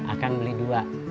akang beli dua